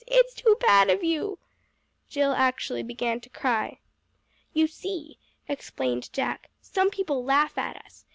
It's too bad of you!" Jill actually began to cry. "You see," explained Jack, "some people laugh at us.